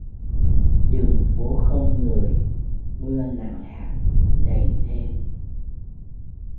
Đường phố không người mưa nặng hạt dày thêm